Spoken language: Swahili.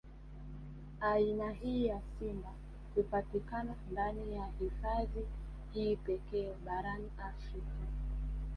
Aina hii ya simba hupatikana ndani ya hifadhi hii pekee barani Afrika